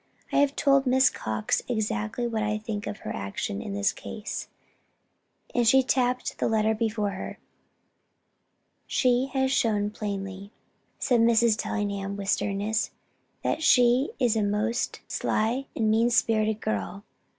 I have told Miss Cox exactly what I think of her action in this case," and she tapped the letter before her. "She has shown plainly," said Mrs. Tellingham, with sternness, "that she is a most sly and mean spirited girl.